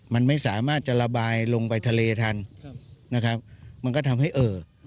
มันไม่สามารถจะระบายลงไปทะเลทันมันก็ทำให้เอ่อ